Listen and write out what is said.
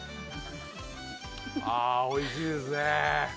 ああーおいしいですね！